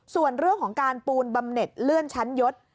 ส่วนเรื่องของการปูนบำเน็ตเลื่อนชั้นยศ